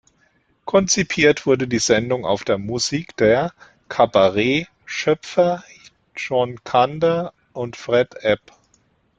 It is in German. Konzipiert wurde die Sendung auf der Musik der "Cabaret"-Schöpfer John Kander und Fred Ebb.